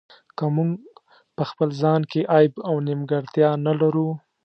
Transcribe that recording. که موږ په خپل ځان کې عیب او نیمګړتیا نه لرو.